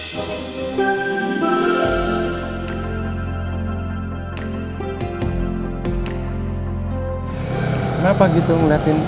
kenapa gitu ngeliatin